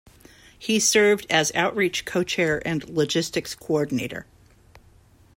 He served as outreach co-chair and logistics coordinator.